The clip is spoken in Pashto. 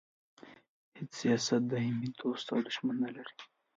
هیڅ سیاست دایمي دوست او دوښمن نه لري.